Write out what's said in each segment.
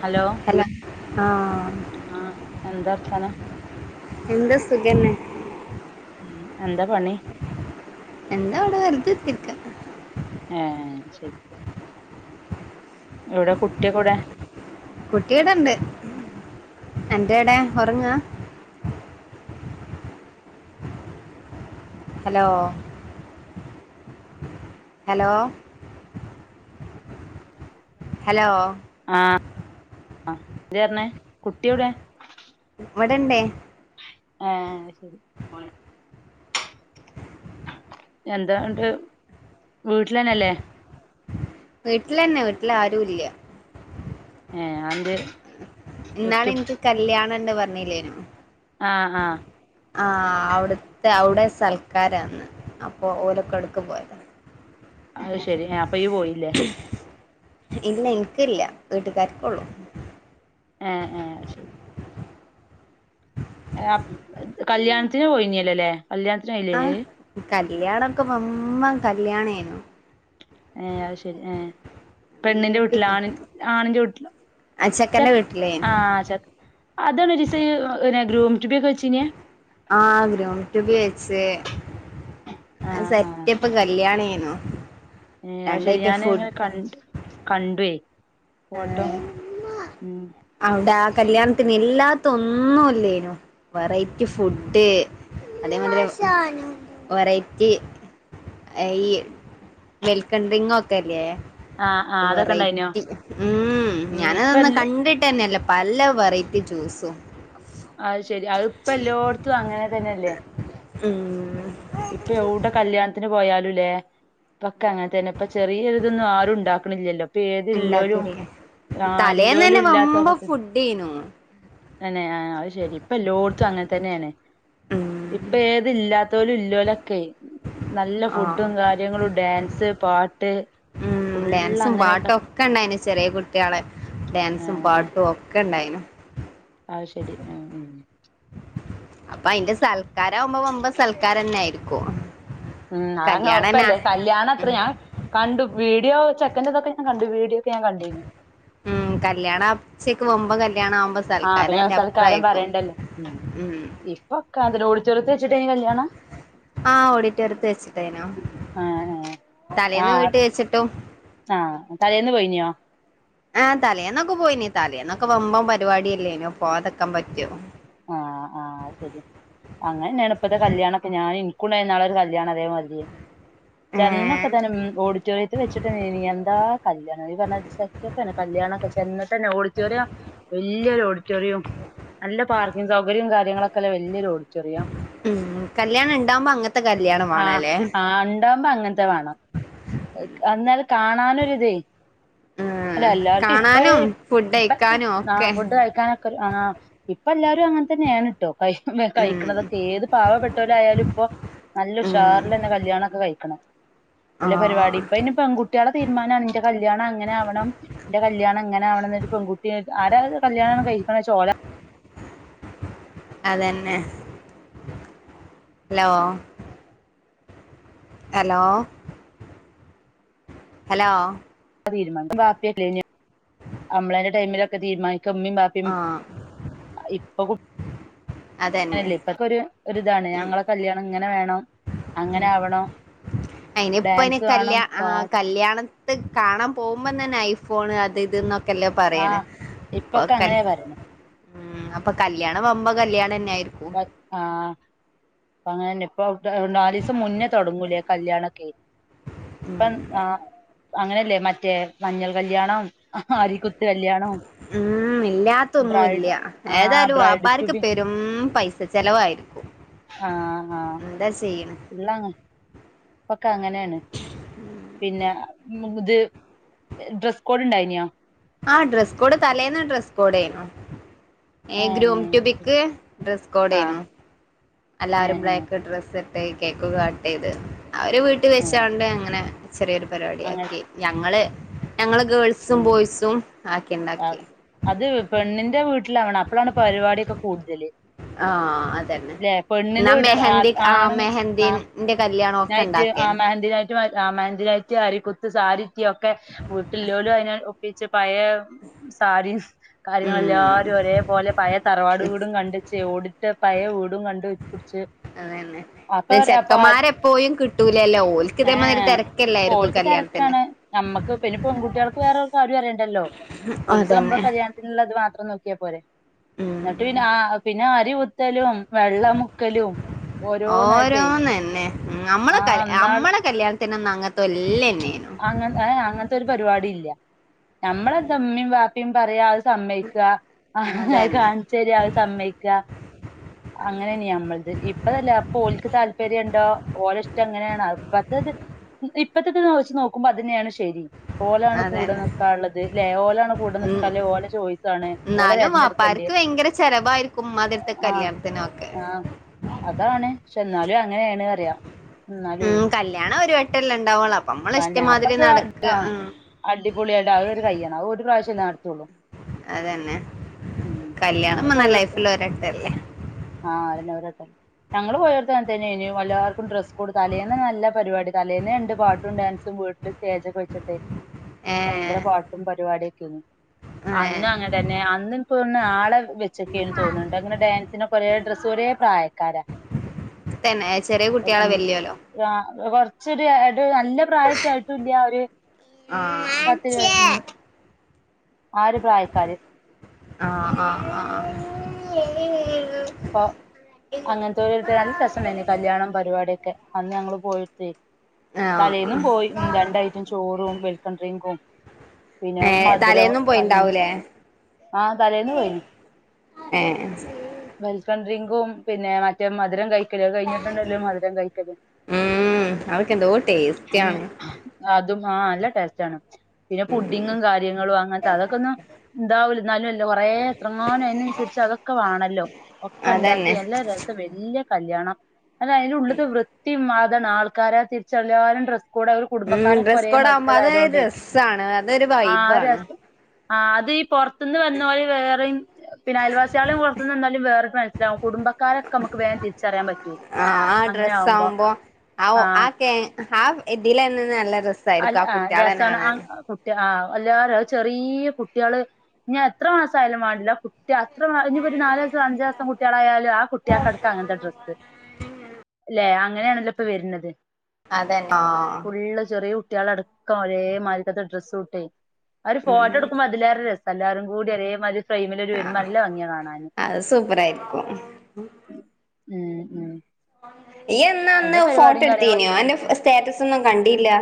Hello ആഹ ആഹ എന്താ അർത്ഥന എന്താ സുഖന്നെ ഉ എന്താ പണി എന്താ അവിടെ [unintelligible] ആഹ ശരി ഇവിടെ കുട്ടിയ കൂടെ കുട്ടിടെ ഇണ്ട് എന്റെടെ ഉറങ്ങാ ഹലോ ഹലോ ഹലോ ആഹ എത്രണേ കുട്ടിവിടെ ഇവിടെണ്ടേ ആഹ ശരി എന്താണ്ട് വീട്ടിലന്നെല്ലേ വീട്ടിലന്നെ വീട്ടില് ആരു ഇല്ല ഏ അത് എന്നാണ് എനിക്ക് കല്യാണ [unintelligible] പറഞ്ഞില്ലേും ആഹ് ആഹ് ആഹ് അവിടു അവിടെ സൽക്കാരാന്ന് ഇന്ന് അപ്പോ ഓലൊക്കെ അവ്ട്ക്ക് പോയതാ അത് ശെരി അപ്പൊ ഇയ്യ് പോയില്ലേ ഇല്ല ഇനിക്കില്ല വീട്ടുകാർക്കൊള്ളൂ ആ ആ ശെരി അപ് കല്യാണത്തിന് പോയിഞ്ഞല്ലോ ലെ ആ കല്യാണം ഒക്കെ വമ്പൻ ക കല്യാണേനു ഏ അത് ശെരി ഏ വി പെണ്ണിന്റെ എ പി വീട്ടില് ആണി ആണിന്റെ വീട്ടില് ആ ചെ ചെക്കന്റെ വീട്ടിലേ ആ ചെ അതാണ് ഒരു ദിവസം ഇയ്യ് പിന്നെ ഗ്രൂമ് ടു ബി വെച്ചിനെ ആ ഗ്രൂമ് ടു ബി വെച്ച് ആഹ് ആഹ് സെറ്റപ്പ് കല്യാണം ഏര്ന്നു ഏ അത് ശെരി ഞാൻ ഇങ്ങനെ ക കണ്ട്വേ ഫോട്ടോ അവിടെ ആ കല്യാണത്തിന് ഇല്ലാത്തത് ഒന്നുല്യേന്നു വെറൈറ്റി ഫുഡ് അതേമാതിരി വെറൈറ്റി ഈ വെൽക്കം ഡ്രിങ്കും ഒക്കെ ഇല്ലേ ആ ആ അതൊക്കെ ഉണ്ടായിനോ വെറൈറ്റി ഉം ഇപ്പ ഞാനതൊന്നും എല്ലോ കണ്ടിട്ട [unintelligible] പല വെറൈറ്റി ജ്യൂസും അത് ശെരി അത് ഇപ്പ എല്ലോട്ത്തും അങ്ങനെ തെന്നല്ലേ ഉം ഇപ്പ എവിടെ കല്യാണത്തിന് പോയാലും ഇല്ലേ [unintelligible] ക്കൊ അങ്ങനെതെന്നെ ഇപ്പ ചെറിയൊരു ഇതൊന്നും ആരും ഇണ്ടാക്ക്ണ്ല്ലല്ലോ ഇപ്പൊ ഏതില്ലേലും ഇണ്ടാക്കല് ആ ഇല്ലോലും തലേന്നന്നെ ഇല്ലാത്തവ വമ്പം ഫുഡേനു ന്നെ ആ അത് ശെരി ഇപ്പൊ എല്ലോട്ത്തും അങ്ങനെ തന്നേണ് ഉം ഇപ്പൊ ഏത് ഇല്ലാ ത്തോലു ലോലൊക്കെ ആ പാട്ട് ഉം ഫുള്ള് ഡാൻസും അങ്ങനെയൊക്കെ പാട്ടും ഒക്കെ ഇണ്ടായിന് ചെറിയ കുട്ട്യാളെ ആ ഡാൻസും ആ പാട്ടും ഒക്കെ ഇണ്ടായ്നു അത് ശെരി ഉം അപ്പൊ അതിന്റെ സ ഉം അങ്ങ് കല്യാണന്നാ ഒറപ്പല്ലേ കല്യാണം അത്ര ഉം ഞാൻ കണ്ടു വീഡിയോ ചെക്കന്റെതൊക്കെ ഞാൻ കണ്ടു വീഡിയോ ഞാൻ കണ്ടീനി ഉം കല്യാണ [unintelligible] വമ്പൻ കല്യ ആ അതില് സൽക്കാരം പറയണ്ടല്ലോ ഉം ഇപ്പൊക്കെ അതിന്റെ ഓഡിറ്റോറിയത്തിൽ വച്ച് ചിട്ടെ ണ് കല്യാണം ആ ഓഡിറ്റോറിയത്ത് വെച്ചിട്ടേയ്നു ആ ആ തലേന്ന് വീട്ടി വെച്ചിട്ടും ആ തലേന്ന് പോയിഞ്ഞ്യോ ആഹ് തലേന്നൊക്ക പോയിനി തലേന്നൊക്ക വമ്പം പരിവാടിയല്ലേനോ പോവാതക്കാൻ പറ്റോ ആഹ് ആഹ് ശരിയാ അങ്ങനെന്നെയാണ് ഇപ്പത്തെ കല്യാണൊക്ക ഞാന് ഇന്ക്കുണ്ടായിര്ന്ന് ഇന്നാളൊരു കല്യാണം അതേ മാതിരി ഏ ചെന്നപ്പ തന്നെ മ് ഓഡിറ്റോറിയത്തില് വെിച്ചിട്ടന്നേനി എന്താ കല്യാണം ഈ പറഞ്ഞാ [unintelligible] സെറ്റപ്പന്നെ കല്യാണൊക്ക ചെന്ന്ട്ടെന്നെ ഓഡ് റ്റോറിയം വല്യ ഒരു ഓഡിറ്റോറിയം നല്ല പാർ ഇങ് സൗകര്യും കാര്യങ്ങളൊക്കല്ല വല്യൊരു ഓഡിറ്റോറിയം മ് കല്യാണം ഇണ്ടാവുമ്പോ അങ്ങത്തെ കല്യാണം ആഹ് വാണലേ എക് അന്നാല കാണാനൊരിതേ അല്ല ഉം എല്ലാർക്കും ഇപ്പ കാണാനും ഫുഡ് ഇപ്പ കഴിക്കാനും [inaudible] ആ ഒക്കെ ഫുഡ് കഴിക്കാനൊക്ക ആ ഇപ്പ എല്ലാരും അങ്ങന തന്നെയാണ് ട്ടോ കൈ ഉം കൈക്ക്ണതൊക്കേത് പാവപ്പെട്ടോലായാലും ഇപ്പൊ നല്ല ഉം ഉഷാർലന്നെ കല്യാണൊക്ക കഴിക്ക്ണ് നല്ല പരിവാടി ആഹ് ഇപ്പ അയ്ന് പെൺകുട്ട്യോളെ തീരുമാനാണ് ഇന്റെ കല്യാണം അങ്ങനെ ആവണം ഇന്റെ കല്യാണം ഇങ്ങനാവണന്ന് ഒരു പെൺകുട്ടി ആരാ കല്യാണം കയ്‌ക്ക്ണ് ചാ ഓല അതന്നെ ഹലോ ഹലോ ഹലോ [inaudible] തീരുമാ [inaudible] ബാപ്പെയല്ലേയ് ന്യേ അമ്മളേന്റെ ടൈമിലൊക്ക തീരുമാനി ക്ക ഇമ്മിം ബാപ്പിം ആഹ് അ ഇപ്പ കു [inaudible] അതന്നെ അല്ലേ ഇപ്പൊക്കൊരു ഒരിതാണ് ഞങ്ങള കല്യാണം ഇങ്ങനെ വേണോ മ് അയിനിപ്പ ഇന് ഡാൻസ് വേണം കല്യ ആ പാട്ട് കല്യാണം ത്ത് കാണാൻ പോവുമ്പം തന്നെ ഐഫോണ് അത് ഇത് ന്നൊ ആഹ് ഇപ്പൊക്കെ അങ്ങനെ പറിണ് മ് അപ്പ കല്യാണം വമ്പം കല്യാണന്നെ പ ആഹ് പ്പങ്ങനന്നെ ഇപ്പൊ അവി [unintelligible] നാലീസം മുന്നേ തൊടങ്ങൂലേ കല്യാണക്കെ പ്പം ആഹ് അങ്ങനെല്ലേ മറ്റേ മഞ്ഞൾ കല്യാണം അരിക്കു മ് ബ്രൈഡ് ഇല്ലാത്തൊന്നുല്യ ആ ഏതായാലും ബ്രൈഡ് ടു വാപ്പാര്ക്ക് പെരും പൈസ് സ ചെലവായിരിക്കും ആഹ് ഹാ എന്താ ചെയ്യണ് ഫുള്ളാങ്‌ ക്ക അങ്ങനെയാണ് പിന്നെ മ് ഇത് ഡ്രസ്സ് കോഡ് ഇണ്ടായിന്യ ആ ഡ്രസ് കോഡ് തലേന്ന് ഡ്രസ്സ് കോഡേന്നു ഏ ഗ്രൂം ടു ബിക്ക് ഡ്രസ് ആ കോഡേന്നു ഏ എല്ലാരും ഏ ബ്ലായ്ക്ക് ഡ്രസ്സ് ട്ട് [unintelligible] കേക്കൊക്കെ കട്ട്‌ ചെയ്ത് അവര് വീട്ടി ഏ വെച്ചോണ്ട് അങ്ങനെ ചെറിയൊരു പരിപാടി അങ്ങനെ ആക്കി ഞങ്ങള് ഞങ്ങള് ഗേൾസും ഉം ബോയ്സും ആക്കിഇണ്ടാക്കി ട്ടിലാണ് അപ്പോഴാണ് പരിപാടിയൊക്കെ കൂടുതല് ആഹ് അതന്നെ ല്ലെ പെണ്ണിന്റെ എന്നാ വീട്ടാര് മെഹന്ദി ആ ആണുങ്ങക്ക് ആ മെഹന്ദീന്റെ കല്യാണം ഒക്കെ നൈറ്റ് ആ ഉണ്ടാക്കേന മെഹന്തി നൈറ്റ് ആ മെഹന്തി നൈറ്റ് അരി കുത്ത് സാരി അതിനായ് ഒപ്പിച്ച് പഴയ സാരിയും ഉം കാര്യങ്ങളെല്ലാരും ഒരേപോലെ പഴേ തറവാട് വീടും കണ്ടേച്ച് ഓടിട്ട് പഴയ വീടും കണ്ടു അതന്നെ ദേ ചെക്കന്മാരെപ്പോഴും കിട്ടൂലല്ലോ ഓൽക്കിതേ ഏ മാതിരി തിരക്കല്ലായിരിക്കും ഓൽക്ക് കല്യാണത്തിന് വേറൊരു കാര്യം അറിയണ്ടല്ലോ ഓല്ക്ക് നമ്മുടെ അതന്നെ കല്യാണത്തിനുള്ള അത് മാത്രം നോക്കി നോക്കിയപോരെ ഉം എന്നിട്ട് പിന്നെ ആ പിന്നെ അരിവുത്തലും ഓരോന്നെന്നെ നമ്മള് ആ കല് നമ്മള കല്യാണ നത്തിനൊന്നും [unintelligible] അങ്ങനെ ഏ അങ്ങനത്തെ ഒരു പരിപാടി ഇല്ല നമ്മളെ ദമ്മി മ്മിയും പറയാ അ സമ്മയിക്കുവാ അത് അതന്നെ കാണിച്ചരിക അത് സമ്മയിക്കുവാ അങ്ങനെ തന്നെയാ നമ്മൾടേത് ഇപ്പതല്ലേ അപ്പം ഓൽക്ക് താല്പര്യം ഉണ്ടോ ഓല് ഇഷ്ടം എങ്ങനെയാണ് ഇപ്പ അത് അത് ഇപ്പഴത്തെ [unintelligible] നോക്കുമ്പോ അതിനെയാണ് ശരി ഓലാണ് കൂടെ അതന്നെ നിക്കാനുള്ളത് ഇല്ലേ ഓലാണ് കൂടെ ഉം നിക്കാല്ലേ ഓല ചോയ്സ് ആണ് ഓല എന്നാലും തിരഞ്ഞെടുക്കണ്ടിയെ വാപ്പാർക്ക് ഭയങ്കര ചെലവായിരിക്കും ഉമ്മാതിരത്തെ ആഹ് കല്യാണത്തിനൊക്കെ ആഹ് അതാണ് പക്ഷെ എന്നാലും അങ്ങനെയാണ് അറിയാം ഉം കല്യാണം ഒരു വെ ട്ടല്ലാ വന്നെ അപ്പ അത് ആ ഉം അടിപൊടിയായിട്ട് ആ അവര് കഴിയണം അ ഒരു പ്രാവശ്യ ചില നടത്തുള്ളൂ അതന്നെ ഉം കല്യാണം ഞങ്ങള് മതെ [unintelligible] പോയോട് ലൈഫിൽ ഒരവട്ടല്ലേ ആഹ് അതന്നെ ഓരോരുത്തര് ഞങ്ങള് പോയോർത്തങ്ങനെ തന്നെയാർന്നു എല്ലാവർക്കും ഡ്രസ്സ് കോഡ് തലേന്ന്‌ നല്ല പരിപാടി തലേന്നെണ്ട് പാട്ട് പാട്ടും ഡാൻസും വീട്ടി സ്റ്റേജൊക്കെവെച്ചിട്ടെ ഏ ഭയങ്കര പാട്ടും പരിപാടിയ [unintelligible] ഏ അന്ന് അങ്ങനെ തന്നെ അന്ന് എക്ക്തോന്നുണു ആളെ വെച്ചക്കെയ് തോന്നുന്നുണ്ട് അങ്ങനെ ഡാൻസിനൊക്കെ ഒരേ ഡ്രെസ്സ് ഒരേ പ്രായക്കാരാ തന്നെ ചെറിയ കുട്ടികളെ അപ്പൊഞ വല്യോലോ ശരിയായിട്ട് നല്ല പ്രായായിട്ടുല്ല ഒരു ആ പത്തിരൂപത് വയസ ആഹ ആഹ ആഹ ഉ [unintelligible] അപ്പൊ അങ്ങനത്തെരായിട്ട് നല്ല രസണ്ടായിന് കല്യാണം പരിപാടിയൊക്കെ അന്ന് ഞങ്ങള് പോയിട്ടേ ആ ആ തലേന്നും ആ പോയി രണ്ടായിട്ടും ചോറും വെൽക്കഡ്രിങ്കും പിന്നെ ഏ മധുരം തലേന്നും പോയിണ്ടാവൂലേ ആഹ തലേന്ന് പോയിന് ഏ വെൽക്കംഡ്രങ്കും പിന്നെ മറ്റ മധുര കഴി കഴിക്കല് കഴിഞ്ഞിട്ടുണ്ടല്ലോ മധുരം കഴിക്കല് ഉം അതൊക്കെ എന്തോ ടേസ്റ്റ് ആണ് അതും ആഹ നല്ല ടേസ്റ്റ് ആണ് പിന്നെ പുഡിങ്ങും കാര്യങ്ങളും അങ്ങനത്തെ അതൊക്കെ ഒന്നും ഇതാവൂല്ല എന്നാലും അല്ല കൊറെേ എത്രങ്ങാനും അതിനനുസരിച്ച് അതൊക്കെ വേണല്ലോ ഒക്കെ ഉണ്ടാക്കി അതന്നെ എല്ലാ രസം വല്യ കല്യാണം അല്ല അയിനുള്ളത്തെ വൃത്തിയും ആൾക്കാരെ തിരിച്ചിറിയാനും ഡ്ര ഉം ഡ്രസ്സ് കോഡ് ആകുമ്പോ അത് രസാണ് അതൊരു വൈബാണ് ആ യി പൊർ പുറത്തന്ന് വന്നോര് വേറെയും പിന്നെ അയൽവാസികളും പുറത്തുന്ന് വന്നോലും വേ പറ്റുവേ ആഹ ആ അങ്ങനെ ഡ്രെസ്സ് ആവുമ്പോ ആകുമ്പോ ആ ആഹ് ആക്കെ ആ എതിലെ നല്ല അ രസായിരിക്കും ആ കുട്ടികളെന്നെ രസാണ് ആ കാണാന് കുട്ടി ആ എല്ലാരും ചെറിയ കുട്ടികള് ഞ് എത്ര മാസായാലും വേണ്ടില്ല അത്ര ഇനി ഇപ്പോ ഒരു നാലിസം അഞ്ചിസം കുട്ടികളായാലും ആ കുട്ടികൾക്കടക്കം അങ്ങനത്തെ ഡ്രസ്സ് അല്ലെ അങ്ങനെയാണല്ലോ ഇപ്പൊ വരുന്നത് അതെങ്ങാ ഫുള്ള് ചെറിയ കുട്ടികളടക്കം ഒരേ മാതിരിക്കത്തെ ഡ്രസ്സ് ഇട്ടേ ഒരുഫോട്ടോ എടുക്കുമ്പോഅതിലേറെ രസം എല്ലാരും കൂടി ഒരേ മാതിരി ആ അത് സൂപ്പറായിരിക്കും ഉം ഉം ഇയ് എന്നാ അയിന്റെ അന്ന് ഫോട്ടോ പരിപാടിയും എടുത്തിനോ കാര്യങ്ങളൊക്കെ അന്റെ സ്റ്റാറ്റസ് ഒന്നും കണ്ടില്ലാ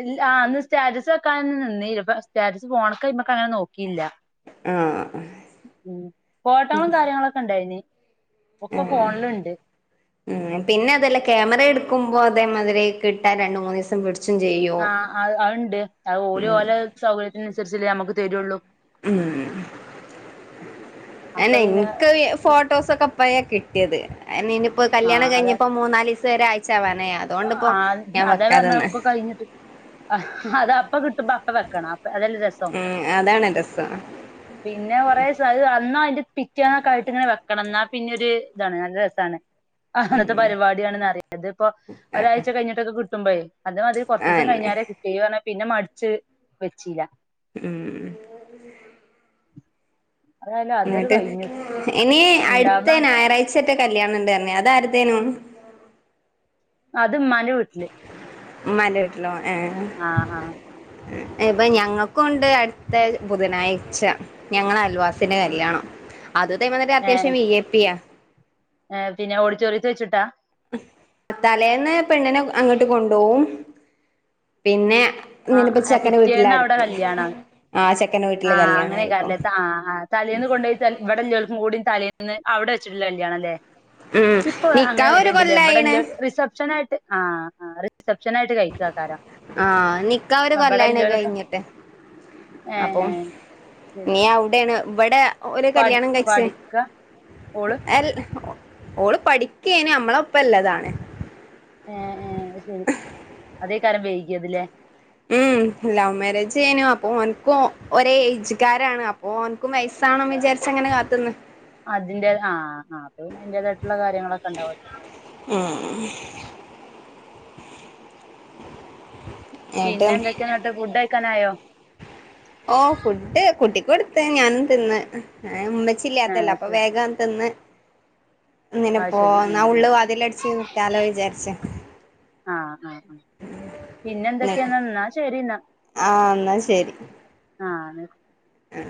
ഇല്ലാ അന്ന് സ്റ്റാറ്റസ് വെക്കാനെന്നുംനിന്നീല്ല ഇപ്പം സ്റ്റാറ്റസ് ഫോണ്ക്ക് അയ്മക്ക അങ്ങനെ നോകീല്യാനോക്കിയില്ല ആ ഫോട്ടോകളും കാര്യങ്ങളൊക്കെ ഇണ്ടായിനി ആ ഉ പിന്നെ അതല്ല ക്യാമറ എടു ക്കുമ്പോ അതേ മതിരി കിട്ടാ രണ്ട് മൂന്ന് ദിവസം പിടിചും ആ ആ അതുണ്ട് അത് ഓലെ ഓലെ സൗകര്യത്തിന് തീരിച്ചേമുമ്പ് തരുയുള്ളൂ ഉം അപ്പൊ അഹ് പിന്നെ എനിക്ക് ഫോട്ടോസൊക്കെ പഴ യത് ഇനിപ്പോ ആ കല്യാണം അതാ കഴിഞ്ഞപ്പോ മൂന്നാല് ഒരാഴ്ച് ആവ് ആ അതെ പറന്നക്കെ കഴിഞ്ഞിട്ട് അത് അപ്പ കിട്ട് ബപ്പ വെക്ക അതെരു രസം ഉം അതാണ് രസം പിന്നെ കൊറേ [unintelligible] പിറ്റേന്ന് കഴുത്തിൽ ഇങ്ങനെ വെക്കണം എന്ന പിന്നെ ഒരു ഇതാണ് നല്ല രസമാണ് അങ്ങനത്തെ പരിപാടിയണെന്ന് അറിയാം ഇതിപ്പോ ഒരാഴ്ച കഴിഞ്ഞിട്ട് കുട്ടും പയെ അത് മതി കുറച്ച് ദിവസം ആന്നെ കഴിഞ്ഞേ കിട്ടിയേ പിന്നെ മടിച്ച് വെച്ചില്ല ഉം അതായാലും അതൊരു എന്നിട്ട് കഴിഞ്ഞു ഇനി ഇണ്ടാവുന്ന അടുത്ത ഞായറാഴ്ച ഒറ്റ കല്യാണണ്ട് തന്നെ അത് ആരുടത്തേന്ന് അത് ഉമ്മാൻ്റെ വീട്ടില് ഉമ്മാൻ്റെ വീട്ടില് ഏ ആഹ് ആഹ് ഇപ്പൊ ഞങ്ങൾക്കുണ്ട് അടുത്ത ബുധനാഴ്ച ഞങ്ങൾ അയൽ ന്റെ ഉം കല്യാണം അത് തന്നെ അത്യാവശ്യം വി ഐ പ്പിയ എ പിന്നെ ഓടിറ്റോറിയത്തിൽ വെച്ചിട്ടാ തലേന്ന് പെണ്ണിനെ അങ്ങോട്ട് കൊണ്ടു പോവും പിന്നെ ആ നിനിപ്പ അ ചെക്കന്റെ പിറ്റേന്ന അവിടെ വീട്ടിലായിരിക്കും കല്യാണം ആ ചെക്കന്റെ വീട്ടില് ആഹ് കല്യാണായിരിക്കും അങ്ങനെക്കായില്ലേ താ ആ ആ തലേൽന്ന് കൊണ്ട് പോയിട്ട് അല്ല് ഇവിടെ എല്ലവർക്കും കൂടി തലേന്ന് ന്ന് അവിടെ വെച്ചിട്ടില്ല കല്യാണം അല്ല? ഉം ഇപ്പോ അങ്ങനെ നിക്കാഹ് ഒരു വരുണ്ടില്ലേ കൊല്ലായിണ് എവിടെല്ലോ റിസപ്ഷൻ ആയിട്ട് ആആ റ് സെപ്ഷനായിട്ട് കഴിക്കുവോ ആഹാരം ആ നിക്കഖ് ഒരു കൊല്ലായണ് കഴിഞ്ഞിട്ട് ഏഹ് അപ്പൊ ഏഹ് ശരി നീ അവിടെയാണ് ഇവിടെ ഒരു പഠി കല്യാണം കഴച്ച് പഠിക്കാ ഓള് എല് ഓള് പഠിക്കേന് നമ്മളൊപ്പല്ലതാണ് അതേ കാരം വേക്ക [unintelligible] അതില്ലെ മം ലവ് മാരേജ് ചെയ്യനു അപ്പൊ ഓനക്ക് ഒരേ ഏജുകാരാണ് അപ്പൊ ഓൻ - അതിന്റെ ആ ആ പിന്നെ അതിന്റേതായിട്ടുള്ള കാര്യങ്ങളൊക്കെ ഉണ്ടാവല്ലോ [unintelligible] പിന്നെ എന്തൊക്കെയാ ഫുഡ് കഴിക്കാനായോ ഓ ഫുഡ് കുട്ടിക്ക് കൊടുത്ത് ഞാനും തിന്ന് ആ ഉമ്മച്ചില്ലാത്തല്ലോ അപ്പൊ ശരി വേഗം തിന്ന് ആ ഇന്നിനപ്പോ ശരി ആ എന്നാ ഉള്ളു അതില അടിച്ച് നിക്കാലോ വിചാരിച്ചേ ആ ആ ആ പിന്നെ ന്നൻ എന്തൊക്കെയാ എന്നാ ശരി എന്നാ ആ എന്നാ ശരി ആ ന്ന് ആ